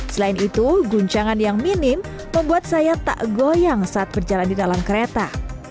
selain itu guncangan yang minim membuat saya tak goyang saat berjalan di dalam kereta